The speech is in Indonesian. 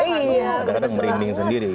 kadang kadang merinding sendiri